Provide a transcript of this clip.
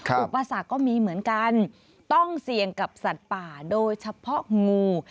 อุปสรรคก็มีเหมือนกันต้องเสี่ยงกับสัตว์ป่าโดยเฉพาะงู